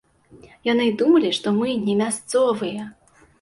Яны думалі, што мы не мясцовыя!